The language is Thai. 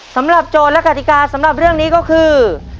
โจทย์และกติกาสำหรับเรื่องนี้ก็คือ